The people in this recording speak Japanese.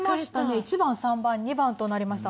１番３番２番となりました。